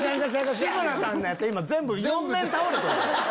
志村さんのやったら今全部４面倒れてる。